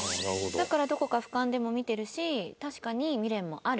だからどこか俯瞰でも見てるし確かに未練もある。